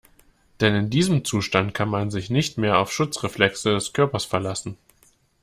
Denn in diesem Zustand kann man sich nicht mehr auf Schutzreflexe des Körpers verlassen.